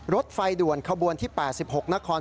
รถไฟด่วนขบวนที่๘๖นคร